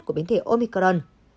của biến thể omicron